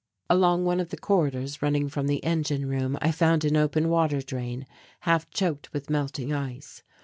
Along one of the corridors running from the engine room I found an open water drain half choked with melting ice.